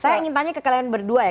saya ingin tanya ke kalian berdua ya